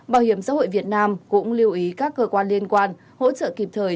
bảo hiểm xã hội việt nam cũng lưu ý các cơ quan liên quan hỗ trợ kịp thời